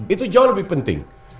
itu jauh lebih penting